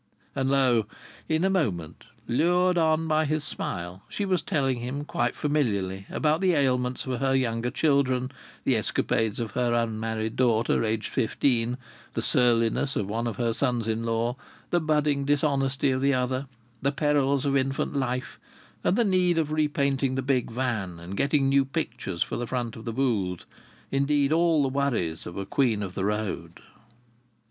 And lo! in a moment, lured on by his smile, she was telling him quite familiarly about the ailments of her younger children, the escapades of her unmarried daughter aged fifteen, the surliness of one of her sons in law, the budding dishonesty of the other, the perils of infant life, and the need of repainting the big van and getting new pictures for the front of the booth. Indeed, all the worries of a queen of the road!